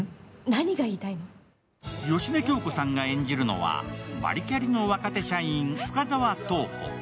芳根京子さんが演じるのは、バリキャリの若手社員、深沢塔子。